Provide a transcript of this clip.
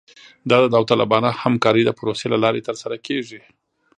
دا د داوطلبانه همکارۍ د پروسې له لارې ترسره کیږي